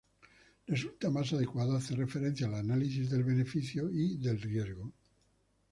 Resulta más adecuado hacer referencia al análisis del beneficio y del riesgo.